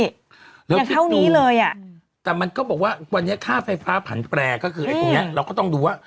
ยังเท่านี้เลยอะอืมแต่มันก็บอกว่าวันนี้ค่าไฟฟ้าผันแปลก็คือเราก็ต้องดูว่า